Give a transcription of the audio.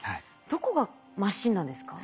どこがマシンなんですか？